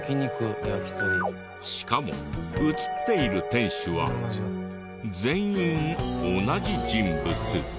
しかも写っている店主は全員同じ人物。